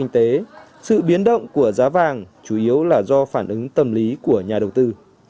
sự biến động của giá vàng chủ yếu là do phản ứng tâm lý của nhà đầu tư